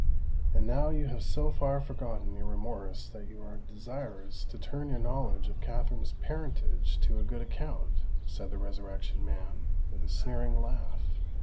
"And now you have so far forgotten your remorse that you are desirous to turn your knowledge of Katherine's parentage to a good account?" said the Resurrection Man, with a sneering laugh.